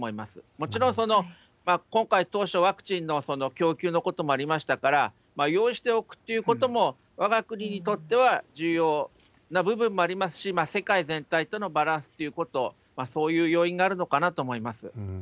もちろん今回、当初ワクチンの供給のこともありましたから、用意しておくということも我が国にとっては重要な部分もありますし、世界全体とのバランスっていうこと、そういう要因があるのかなと思います。